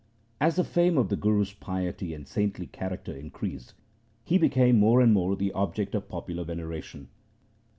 As the fame of the Guru's piety and saintly char acter increased, he became more and more the object of popular veneration.